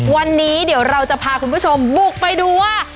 วันนี้เดี๋ยวเราจะพาคุณผู้ชมบุกไปดูว่า